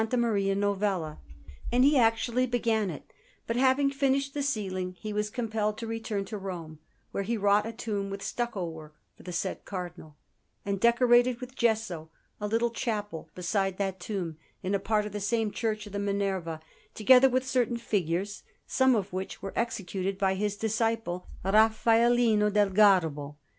Maria Novella, and he actually began it; but, having finished the ceiling, he was compelled to return to Rome, where he wrought a tomb with stucco work for the said Cardinal, and decorated with gesso a little chapel beside that tomb in a part of the same Church of the Minerva, together with certain figures, some of which were executed by his disciple, Raffaellino del Garbo.